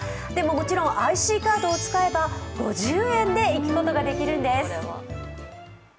でも、もちろんＩＣカードを使えば５０円で行くことができるんです。